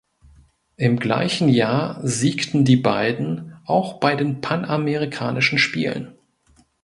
Im gleichen Jahr siegten die beiden auch bei den Panamerikanischen Spielen.